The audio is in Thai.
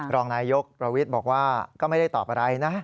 รองนายยกประวิทย์บอกว่าก็ไม่ได้ตอบอะไรนะ